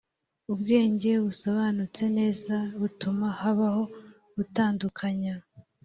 ubwenge busobanutse neza butuma habaho gutandukanya.